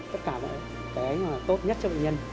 tất cả bệnh tế là tốt nhất cho bệnh nhân